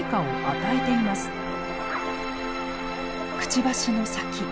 くちばしの先。